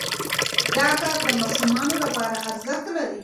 دا کار د ماشومانو لپاره ارزښت لري.